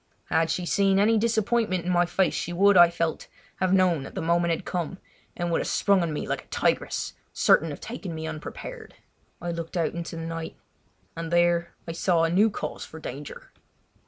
Had she seen any disappointment in my face she would, I felt, have known that the moment had come, and would have sprung on me like a tigress, certain of taking me unprepared. I looked out into the night, and there I saw new cause for danger.